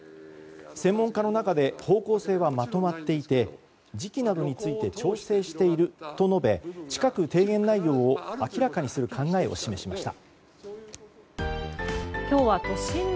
専門家の中で方向性はまとまっていて時期などについて調整していると述べ近く提言内容を明らかにする考えを示しました。